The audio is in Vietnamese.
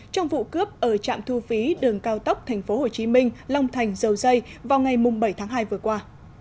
trong vụ cướp ở trạm thu phí đường cao tốc tp hcm long thành dầu dây vào ngày bảy tháng hai vừa qua